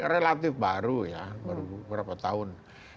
relatif baru ya baru beberapa tahun